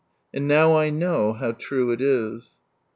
And now I know how true it is.